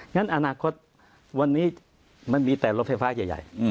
งั้นอนาคตวันนี้มันมีแต่รถไฟฟ้าใหญ่